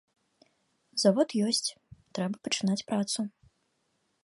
Завод ёсць, трэба пачынаць працу.